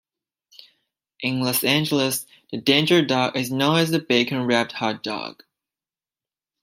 In Los Angeles the danger dog is known as the bacon-wrapped hot dog.